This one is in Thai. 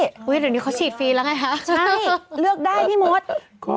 เดี๋ยวนี้เขาฉีดฟรีแล้วไงคะใช่เลือกได้พี่มด